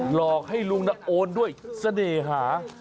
หลอกให้ลุงโอนด้วยเสน่หา